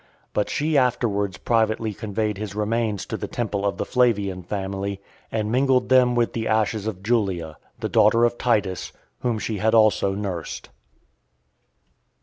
But she afterwards privately conveyed his remains to the temple of the Flavian family , and mingled them with the ashes of Julia, the daughter of Titus, whom she had also nursed.